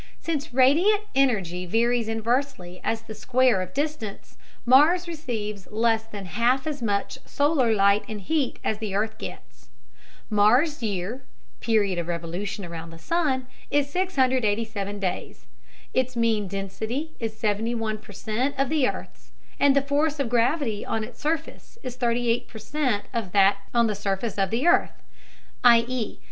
Since radiant energy varies inversely as the square of distance, Mars receives less than half as much solar light and heat as the earth gets. Mars' year (period of revolution round the sun) is 687 days. Its mean density is 71 per cent of the earth's, and the force of gravity on its surface is 38 per cent of that on the surface of the earth; _i.e.